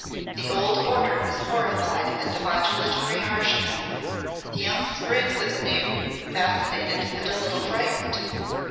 The old order was horrified at the modulatory harshness, the young sprigs of the new, fascinated and a little frightened.